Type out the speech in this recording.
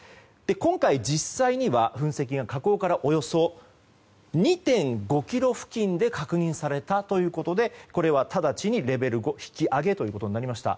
今回、実際には噴石が火口からおよそ２．５ｋｍ付近で確認されたということでこれは直ちにレベル５引き上げということになりました。